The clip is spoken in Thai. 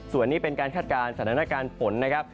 ส่วนนี้เป็นการคาดการณ์สถานการณ์ฝนนะครับ